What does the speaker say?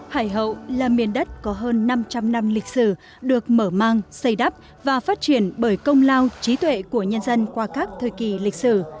hải hậu là miền đất có hơn năm trăm linh năm lịch sử được mở mang xây đắp và phát triển bởi công lao trí tuệ của nhân dân qua các thời kỳ lịch sử